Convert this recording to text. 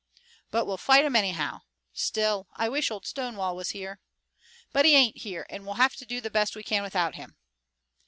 "But we'll fight 'em anyhow. Still, I wish old Stonewall was here." "But he ain't here, and we'll have to do the best we can without him."